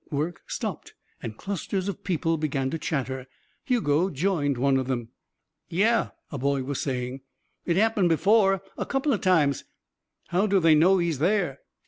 Work stopped and clusters of people began to chatter. Hugo joined one of them. "Yeah," a boy was saying, "it's happened before. A couple o' times." "How do they know he's there?"